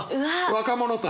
若者たちよ。